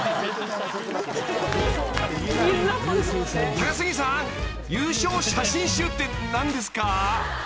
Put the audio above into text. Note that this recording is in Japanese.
［高杉さん優勝写真集って何ですか？］